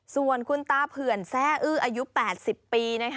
ส่วนคุณตาเผื่อนแซ่อื้ออายุ๘๐ปี